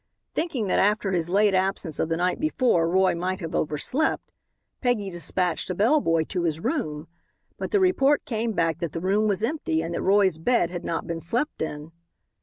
Thinking that after his late absence of the night before Roy might have overslept, Peggy despatched a bellboy to his room. But the report came back that the room was empty and that Roy's bed had not been slept in.